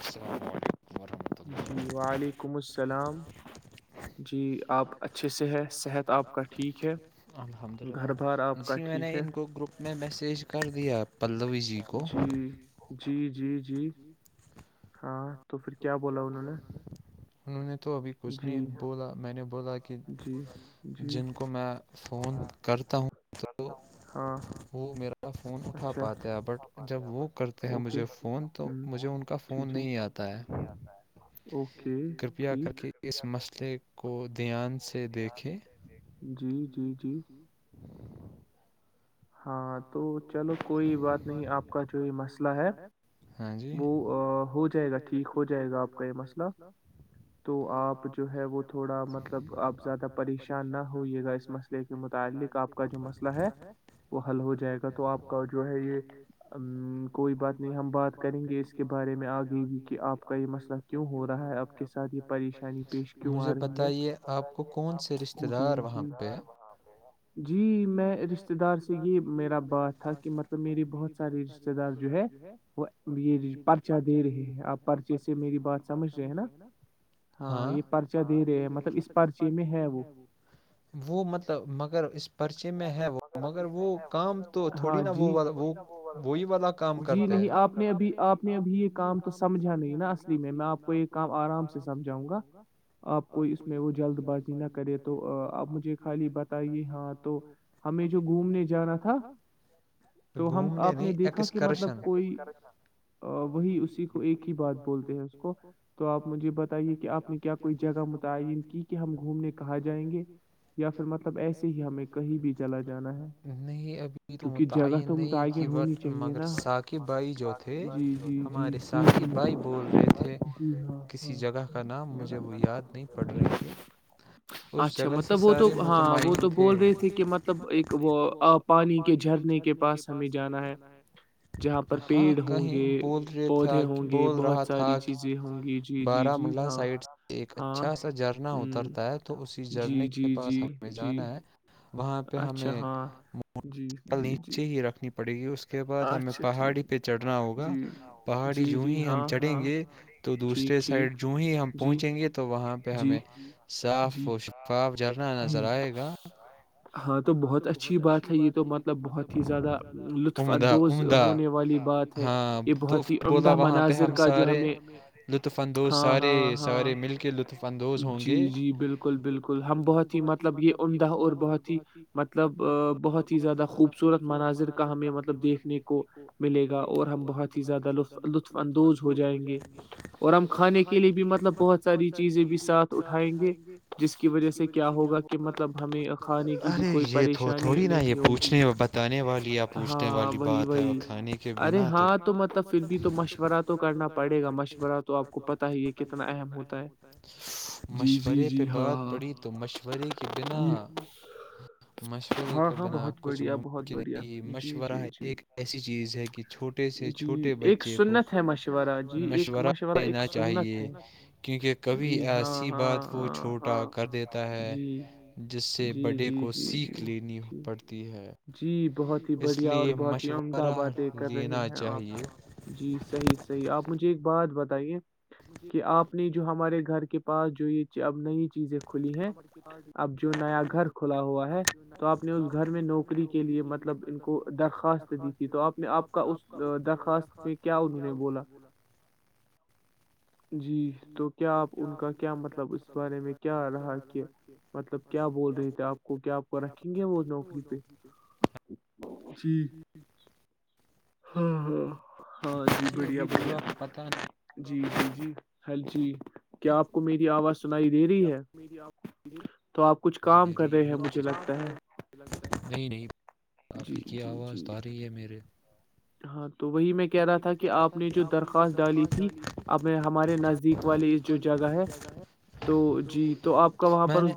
السلام علیکم ورحمۃ اللہل الحمد اللہ جی میں نے ان کو گروپ میں تیش کر دیا آپ پلوی جی کو جی جی ہاں تو پھر کیا بولا انہوں نے ہ ان نے تو ابھی کچھ نہیں بولا میں نے بولا کہ جن کو میں فون کرتا ہوں تو وہ میرا میرا فون اٹھا پاتے ہیں بٹ جب وہ کرتے ہیں مجھے ف تو مجھے ان کا فون نہیں آتا ہے کرپیا کر کے اس مسئلے کو دھیان سے دیکھے ہاں تو چلو کوئی بات نہیں آپ کا جو یہ مسئلہ ہے ہاں جی وہ ہو جائے گا ٹھیک ہو جائے گا آپ کا یہ مسئلہ تو آپ جو ہے وہ تھوڑا مطلب آپ زیادہ پریشان نہ ہوے گا اس مسئلے کے متعلق آپ کا جو مسئلہ ہے وہ حل ہو جائے گا تو آپ کا جو ہے یہ کوئی بات نہیں ہم بات کریں گے اس کے بارے میں آگے کہ آپ کا یہ مسئلہ کیوں ہو رہا ہے آپ کے ساتھ یہریشانی مجھے بتائیے آپ کو کون سے رشتے دار وہاں پہ جی میں جے یہ میرا بات تھا کہ مطلب میے بہت سارے رشتے دار جو ہے یہ پرچہ دے رہے ہیں آپ پرچے سے میری بات سمجھ رہے ہیں نا ہاں یہ پرچہ دے رہے ہیں مطلب اس پرچے میں ہے وہ وہ مطلب مگر پرچے میں ہے وہ مگر وہ کا تو تھوڑی نا وہ وہ وہی والا کام کرتے ہیں نہیں آپ نےب آپ نے ابھی یہ کام تو سمجھا نہیں نا اص میں میں آپ کو یہ کام آرام سے سمجھاؤں گا آپ کوئی اس میں وہ جلد بازی نہ کرے تو آپ مجھے خالی بتائیےاں تو ہمیں جو گھومنے جا تو ہم آپ نے دیکھا کہ مطلب کوئی وہی اسی کو ایک ہی بات بولتے ہیں اس کو تو آپ مجھے بتائیے کہ آپ نے کیا کوئی جگہ متعین کی کہ ہم گھومنے کہاں جائیں گے یا پھر مطلب ایسے ہی ہمیں بھی چلا جانا ہے نہیں ابھی تو متعین نہیں کہ بٹ مگر ثاقب بھائی جو تھے ہمارے ثاقب بھائی بول رہے تھے کسی جگہ کا نام مجھے وہ یاد نہیں پڑ رہی ہے اچھا مطلب وہ تو ہاں وہ تو بول رہی کہ مطلب ایک وہ پانی کے جھرنے کے پاس ہمیں جانا ہے ہاں کہیں بولے تھا کہ بول رہا تھا کہ بارہمولہ سائڈ ایک اچھا سا جھرنا اترتا ہے تو اسی جڑنے کے پاس ہمیں جانا ہے وہاں پہ ہمیں مل نیچے ہی رکھنی پڑے گی اس کے اس کے بعد ہمیں پہاڑی پہ چڑھنا ہوگا پہاڑی یوں ہی ہم چڑھیں گے تو دوسرے سائڈ یوں ہی ہم پہنچیں گے تو وہاں پہ ہمیں صاف شا جرنا نظر آئے گا ہاں تو بہت اچھی بات ہے یہ تو مطلب ب ہی زیادہ عمدہ عمدہ ہاں تو پھر بولا وہاں پہ ہم سارے لطف اندوز سارے سارے مل کے لطف اندوز ہوں گے بالکل ہم بہت ہی مطلب یہ عمدہ اور بہت ہی مطلب بہت ہی زیادہ خوبصورت مناظر کا ہمیں مب ملب دیکھنے کو ملے گا اور ہم بہت ہی زیادہ لط لطف اندوز ہو جائیں گے اور ہم کھانے کے لیے بھی مطلب بہت ساری چیزیں بھی ساتھ اٹھائیں گے اس وجہ سے کیا ہوگال ارے یہ تو تھوڑی نا یہ پوچھنے بتانے والی آ پو والی بات ہے کھانے کے بنا تو ہاں تولب ک مشورہ تو کرنا پڑتاشورہ توپ کو پ ہی کتنا ام ہوتا ہے مشورے پہ بات پڑی تو مشورے کے بنا مشورے کے بنا کچھ ممکن ہی مشورہ ایک ایسی چیز ہے کہ چھوٹے سے چھوٹے بچے کو مشورہ دینا چاہیے کیونکہ کبھی ایسی بات وہ چھوٹا کر دیتا ہے جس سے بڑے کو سیکھ لینی پڑتی ہے بڑھیا اور بہت ہی عمدہ باتیں کر رہے ہیں آپ جی صحیح صحیح آپ مجھے ایک ب بات بتائیے کہ آپ اپنی جو ہمارے گھر کے پاس جو یہ اب نئی چیزیں کھلی ہیں اب جو نیا گھر کھلا ہوا ہے تو آپ نے اس گھر میں نوکری کے لیے مطلب ان کو درخواست دی تھی تو آپ نے آپ کا اس درخواست میں کیا انہوں نے بولا جی تو کیا آپ ان کا کیا مطلب اس بارے میں نے کیا رہا کہ مطلب کیا بولے کیا وہ نوکری کے جی ہاں ہاں ہاں جی بڑھیا بڑھیا جی جی جی ج خل جی کیا آپ کو میری آواز سنائی نہیں نہیں آفی کی آواز تاری ہے میرے ہاں تو وہی میں کہہ رہا تھا کہ آپ نے جو درخواست ڈالی تھی اپنے ہمارے نزدیک والے اس جو جگہ ہے میں نے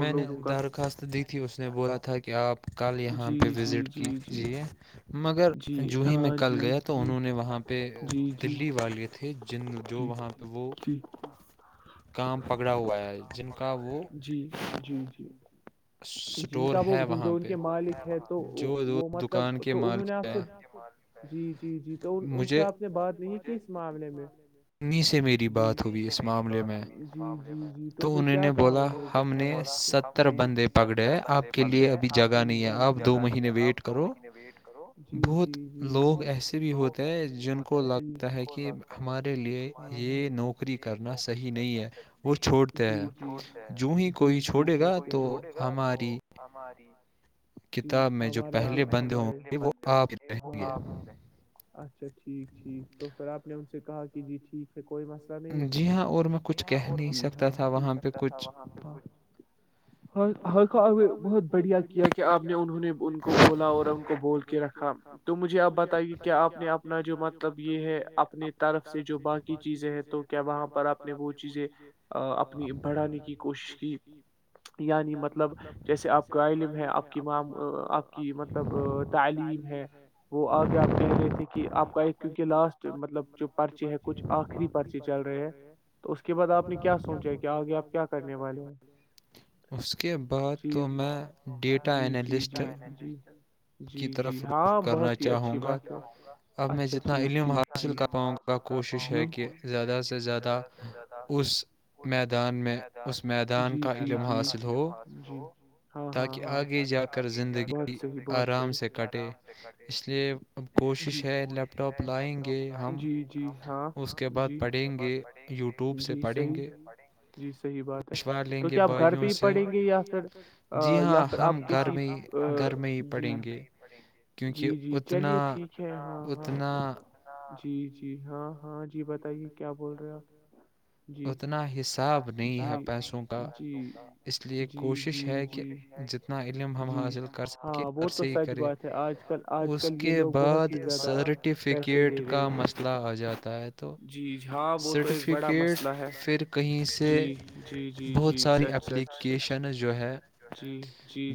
میں نے درخواست دی تھی اس نے بولا تھا کہ آپ کل یہاں پہ وزٹ کیجیے مگر ج ہی میں کل گیا تو انہوں نے وہاں پہ دلی والا لیے تھے جن جو وہاں پہ وہ کام پکڑا ہوا ہے جن کا وہ اسٹور ہے وہاں پہ جو دکان کے مال کےئے مجھے انی سے میری بات ہوئی اس معاملے میں ے میں تو کیا کہا ہم نے ستر بندے پگڑے آپ کے لیے ابھی جگہ نہیں ہے آپ دو مہینے ویٹ کرو جی جی جی ب لوگ ایسے بھی ہوتے ہیں جن کو لگتا ہے کہ ہمارے یہ کرنا صحیح نہیں ہے ج چتے ہیں ج کوئی چھوڑے گا تو ہماری جی ہمارا جوار اچھا ٹھیک ٹھیک تو پھر آپ نے ان سے کہا کہ جی ٹھیک ہے کوئی مسئلہ نہیں ہے جی ہاں اور بھی کچھ کہ بھی سکتا تھا وہاں پہ ہ بہت بڑھیا کیا کہ آپ نے انہوں نے ان کو بولا اور ان کو بول کے رکھا تو مجھے اب بتائیے کیا آپ نے اپنا جو مطلب یہ ہے اپنے طرف سے جو باقی چیزیں ہیں تو کیا وہاں پر آپ اپ نے وہ چیزیں اپنی بڑھانے کی کوشش کی یعنی مطلب جیسے آپ کا علم ہے آپ کی آپ کی مطلب تعلیم ہے وہ آگے آپ کہہ رہے تھے کہ آپ کا ایک کیونکہ لاسٹ مطلب جو پرچے ہے کچھ آخری پرچے چل رہے ہیں تو اس کے بعد آپ نے کیا سوچا کہ آگے آپ کیا کرنے والے ہیں اس کے بعد تو میں ڈیٹا انینالسٹ کی طرف روخ کرنا چاہوں گا اب میں جتنا علم حاصل کر پاؤں گا کوشش ہے کہ زیادہ سے زیادہ د اس میدان میں مید کا اتمس ہاں ہاں ہاں تاکہ آگے ج آرام سے کٹے اس لیے اب کوشش ہے لیپ ٹاپ لائیں گے ہم اس کے بعد پڑھیں گے یو وب سے پڑیں گے پشوا لیں گے بائیوں سے جی ہاں ہم گرمی گرمی پڑھیں گے کیونکہ اتنا اتنا جی جی ہاں ہاں ہاں جی بتائیے کیا بول رہے اتنا حساب نہیں ہے پیسوں کا اس لیے کوشش ہے کہ جتنا علم ہم حاصل کر سکیں سے ہی کریں اس کے بعد سرٹیفکیٹ کا مسئلہ آ جاتا ہے جی ہاں وہ تو کی پھر کہیں سے بہت ساری اپلیکیشنز جو ہے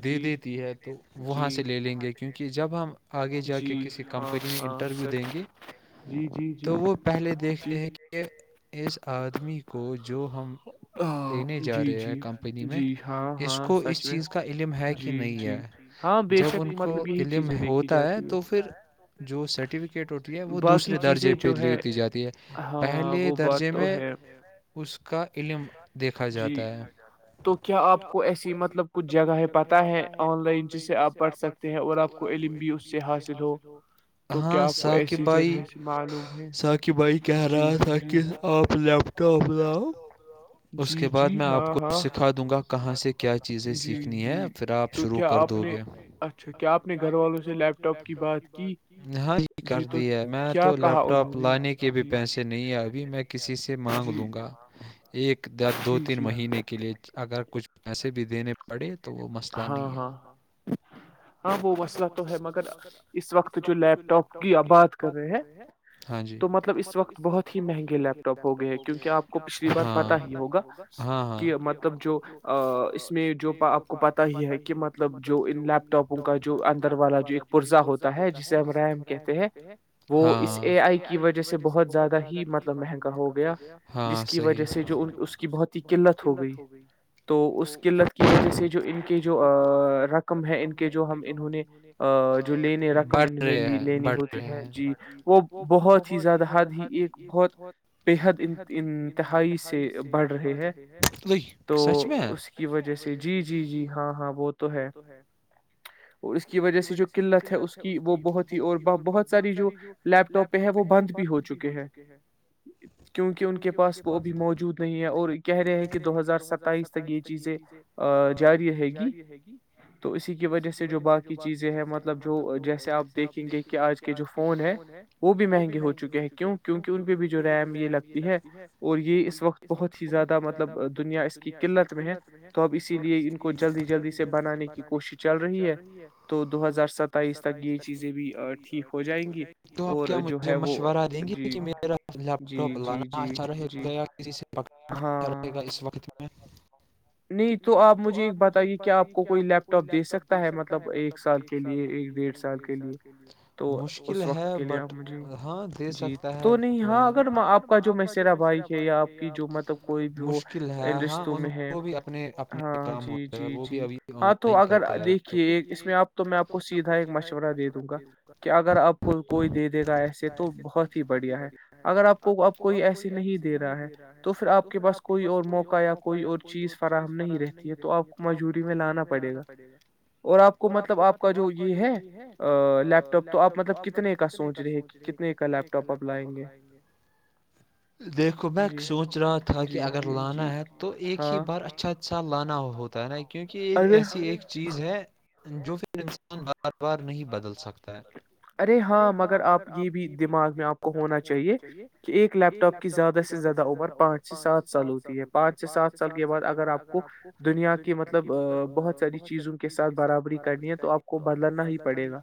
دے دیتی ہے تو وہاں سے لے لیں گے کیونکہ جب ہم آگے جا کے کسی کمپنی میں انٹرویو دیں گے تو وہ پہلے دیکھتے ہیں کہ اس آدمی کو جو ہم لینے جا رہے ہیں کمپنی میں اس کو اس چیز کا علم ہے کہ نہیں ہے جب ان کو علم ہوتا ہے تو پھر جو سرٹیفکیٹ ہوتی ہے وہ دوسرے درجے پہ لی جاتی ہے پہلے درجے میں اس کا علم دیکھا جاتا ہے تو کیا آپ کو ایسی مطلب کوھ جگہ ہے پت ہے آن لائن جسے آپ پڑھ سکتے ہیں اور آپ کو علم بھی اس سے حاصل ہو تو کیا آپ کو ایسی جگہ سے معلوم ہے سااک بھائی کہہ رہا ہے سااک آپ لیپ ٹاپ کا اس کے بعد میں آپ کو سکھا دوں گا کہاں سے کیا چیزیں سیکھنی ہے پھر آپ شروع کر دو گے اچھا کیا آپ نے گھر والوں سے لیپ ٹاپ کی بات کی کر دی ہے میں تو لیپ ٹاپ لانے کے بھی پیسے نہیں ہیں ابھی میں کسی سے مانگ لوں گا ایک دس دو تین مہینے کے لیے اگر کچھ پیسے بھی دینے بڑے تو وہ مسئلہ نہیں ہاں ہاں ہاں وہ مسئلہ تو ہے مگر اس وقت جو لیپ ٹاپ کی آپ بات کر رہے ہیں ہاں جی تو مطلب اس وقت بہت ہی مہنگے لیپ ٹاپ ہو گئے ہیں کیوںکہ آپ کو پت ہی ہوگا کہ مطلب جو اس میں آپ کو پتا ہی ہے کہ مطلب جو ان لیپ ٹاپوں کا جو اندر والا جو ایک پزہ ہوتا ہے جس ہم رم کہتے ہیں اس اے آئی کی وجہ سے بہت زیادہ ہی مطلب مہنگا ہو گیا وجہ سے جو اس کی بہت ہی قلت ہو گئی تو اس قلت کے کی وجہ سے جو ان کے جو رقم ہے ان کے جو ہم انہوں نے جو لینے رقم انہوں نے لینی ہوتی ہے جی وہ بہت ہی زیادہ حد ہی ایک بہت بے حد انتہائی سے بڑھ رہے ہے سچ میں جی جی جی ہاں ہاں وہ تو ہے اور اس کی وجہ سے جو قلت ہے اس کی وہ بہت ہی اور بہت ساری جو لیپ ٹاپ ہے وہ بند بھی ہو چکے ہیں کیونکہ ان کے پاس وہ اب موجود نہیں ہے اور کہہ رہے ہیں کہ دو ہزار ستائیس تک یہ چیزیں جاری رہے گی تو اسی کی وجہ سے جو باقی چیزیں ہے مطلب جو جیسے آپ دیکھیں گے کہ آج کے جو فون ہے وہ بھی مہنگے ہو چکے ہیں کیوں کیونکہ ان پہ بھی جو ریم یہ لگتی ہے اور یہ اس وقت بہت ہی زیادہ مطلب دنیا اس کی قلت میں ہے تو اب اسی لیے اس کو جلدی جلدی سے بنانے کی کوشش چل رہی ہے تو دو ہزار ستائیس تک یہ چیزیں بھی ٹھیک ہو جائے گی تو آپ کیا مجھے مشورہ دیں گے کہ میرا لیپ ٹاپ لانا اچھا رہےا گیا کسی سے پکانا چڑے گا اس وقت میں نہیں تو آپ مجھے ایک بتائیے کیا آپ کو کوئی لیپ ٹاپ دے سکتا ہے مطلب ایک سال کے لیے ایک ڈیھ سال کے لیے مشکل ہے ہاں دے سکتا ہے تواں اگر آپ کا جو م یا آپ کی جو مطلب کوئی بھی وہ رشتوں میں ہے ہاں جی جی جی ہاں تو اگر دیکھیے اس میں آپ تو میں آپ کو سیدھا ایک مشورہ دے دوں گا کہ اگر آپ کو کوئی دے دے گا ایسے تو بہت ہی بڑھیا ہے اگر آپ کو اب کوئی ایسے نہیں دے رہا ہے تو پھر آپ کے پاس کوئی اور موقع یا کوئی اور چیز چیز فراہم نہیں رہتی ہے تو آپ کو مجوری میں لانا پڑے گا اور آپ کو مطلب آپ کا جو یہ ہے لیپ ٹاپ تو آپ مطلب کتنے کا سوچ رہے ہیں کہ کتنے کا لیپ ٹاپ آپ لائیں گے دیکھو میں سوچ رہا تھا کہ اگر لانا ہے تو ایک ہی بار اچھا لانا ہوتا ہے نا کیونکہ یہ ایسی ایک چیز ہے جو پھر انسان بات نہیں بدل سکتا ہے ارے ہاں مگر آپ یہ بھی دماغ میں آپ کو ہونا چاہیے کہ ایک زیادہ سے زیادہ عمر پانچ سے سات سال ہوتی ہے پانچ سے سات سال کے بعد اگر آپ کو دنیا کے مطلب بہت ساری چیزوں کے ساتھ برابری کرنی ہے تو آپ کو بدلنا ہی پڑے گا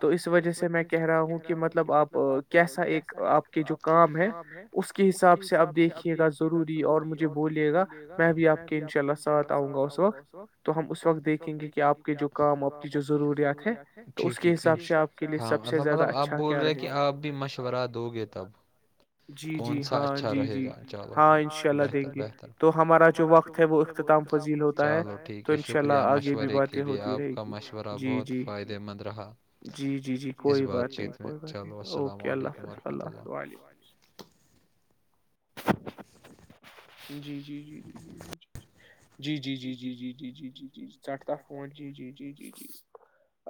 تو اس وجہ سے میں کہہ رہا ہوں کہ مطلب آپ کیسا ایک آپ کے جو کام ہے اس کا کے حساب سے آپ دیکھیے گا ضروری اور مجھے بولیے گا میں بھی آپ کے انشاء اللہ ساتھ آؤں گا اس وقت تو ہم اس وقت دیکھیں گے کہ آپ کے جو کام آپ کی جو ضروریات ہے ٹھیک ٹھیک انا ہاں مطب مطلب آپ بول رہے کہ آپ بھی مشورہ دو گے تب سا اچھا رہے گا چلو بترتر تو ہمارا چلو ٹھیک ہے شکریہ مشورے کے لیے آپ کا مشورہ بہت فدہ جی جی جی کوئی بات نہیں کوئی بات نہیں اوکے اللہ حظ اللہ حافظ عالم السلام علیکم محترم بھائی جان جی جی جی جی جی جی جی جی جی جی جی جی جی جی جی جی جی جی سٹتا فون جی جی جی جی جی